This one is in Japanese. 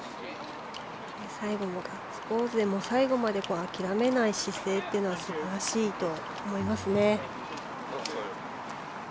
最後もガッツポーズで最後まで諦めないという姿勢は素晴らしいと思いますね。